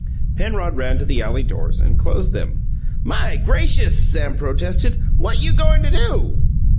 Penrod ran to the alley doors and closed them. "My gracious!" Sam protested. "What you goin' to do?"